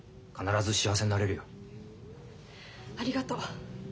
ありがとう。